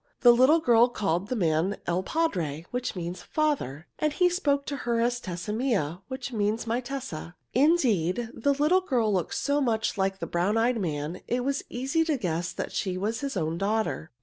The little girl called the man il padre, which means "father," and he spoke to her as Tessa mia, which means "my Tessa." Indeed, the little girl looked so much like the brown eyed man, it was easy to guess that she was his own little daughter.